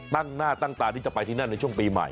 ตั้งหน้าตั้งตาที่จะไปที่นั่นในช่วงปีใหม่